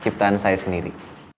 ciptaan saya sendiri